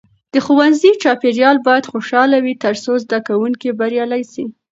د ښوونځي چاپیریال باید خوشحاله وي ترڅو زده کوونکي بریالي سي.